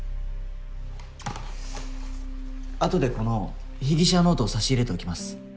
あとでこの「被疑者ノート」を差し入れておきます。